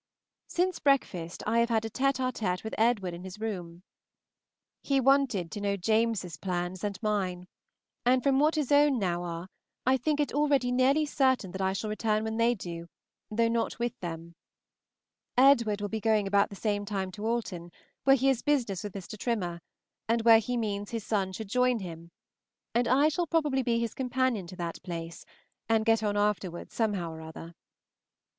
Since breakfast I have had a tête à tête with Edward in his room; he wanted to know James's plans and mine, and from what his own now are I think it already nearly certain that I shall return when they do, though not with them. Edward will be going about the same time to Alton, where he has business with Mr. Trimmer, and where he means his son should join him; and I shall probably be his companion to that place, and get on afterwards somehow or other.